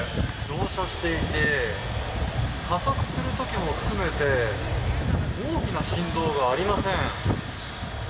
乗車していて加速する時も含めて大きな振動がありません。